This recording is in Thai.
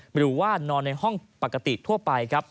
หรือว่านอนในห้องปกติทั่วไปครับ